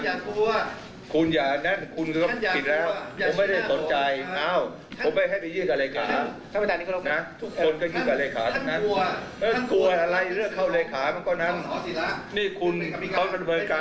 นี่คุณเขาจะเปิดการตามวาระขั้นตอนนะ